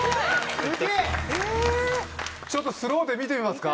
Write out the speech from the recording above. ちょっとスローで見てみますか？